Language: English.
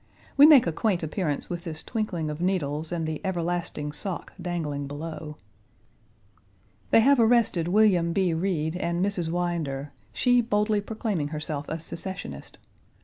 We make a quaint appearance with this twinkling of needles and the everlasting sock dangling below. They have arrested Wm. B. Reed and Miss Winder, she boldly proclaiming herself a secessionist.